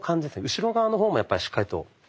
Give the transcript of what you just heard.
後ろ側の方もやっぱりしっかりと。